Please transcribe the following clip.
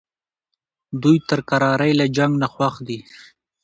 دوی تر کرارۍ له جنګ نه خوښ دي.